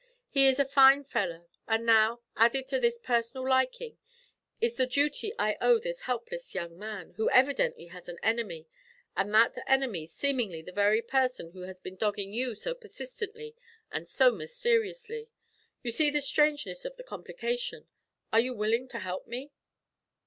He is a fine fellow, and now, added to this personal liking, is the duty I owe this helpless young man, who evidently has an enemy, and that enemy seemingly the very person who has been dogging you so persistently and so mysteriously. You see the strangeness of the complication. Are you willing to help me?'